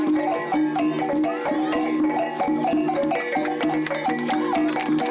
memikirkan logo dan tentara dan tentara resmi